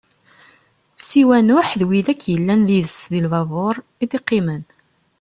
Siwa Nuḥ d wid akk yellan yid-s di lbabuṛ i d-iqqimen.